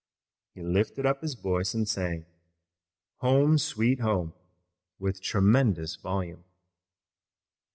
He lifted up his voice and sang "Home, Sweet Home," with tremendous volume.